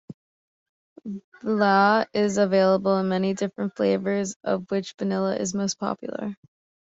Vla is available in many different flavors of which vanilla is most popular.